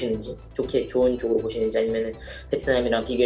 apakah kamu melihatnya dengan baik